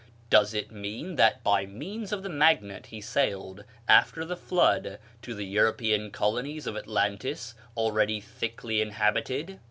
Does it mean that by means of the magnet he sailed, after the Flood, to the European colonies of Atlantis, already thickly inhabited?